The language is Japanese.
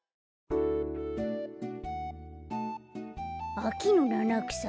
あきのななくさ？